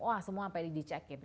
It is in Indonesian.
wah semua apa yang dicekin